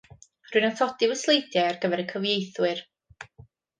Rwy'n atodi fy sleidiau ar gyfer y cyfieithwyr.